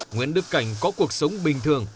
nguyễn đức cảnh có cuộc sống bình thường